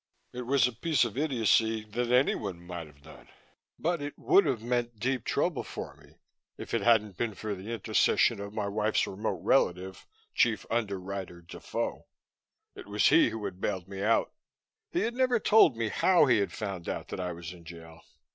It was a piece of idiocy that anyone might have done. But it would have meant deep trouble for me, if it hadn't been for the intercession of my wife's remote relative, Chief Underwriter Defoe. It was he who had bailed me out. He had never told me how he had found out that I was in jail.